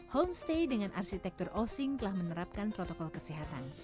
homestay dengan arsitektur ossing telah menerapkan protokol kesehatan